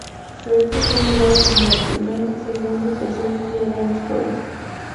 Gretzky fue nombrado como la primera, segunda, y tercera estrella de ambos juegos.